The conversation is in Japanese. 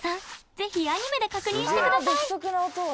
ぜひアニメで確認してください。